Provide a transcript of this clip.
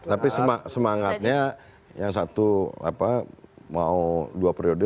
tapi semangatnya yang satu mau dua periode